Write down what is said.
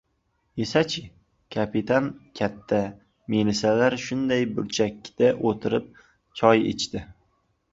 — Esa-chi, kapitan katta. Melisalar shunday burchakda o‘tirib choy ichdi.